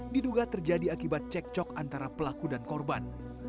diduga terjadi akibat cekcok antara pelaku dan korban